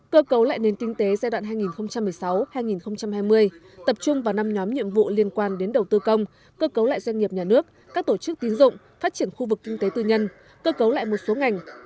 cơ cấu lại nền kinh tế giai đoạn hai nghìn một mươi sáu hai nghìn hai mươi tập trung vào năm nhóm nhiệm vụ liên quan đến đầu tư công cơ cấu lại doanh nghiệp nhà nước các tổ chức tín dụng phát triển khu vực kinh tế tư nhân cơ cấu lại một số ngành